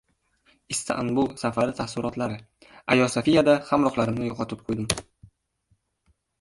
Istanbul safari taassurotlari: “Ayo Sofiyada hamrohlarimni yo‘qotib qo‘ydim...”